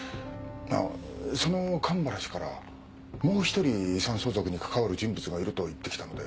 その神原氏から「もう一人遺産相続に関わる人物がいる」と言ってきたんで。